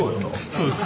そうです。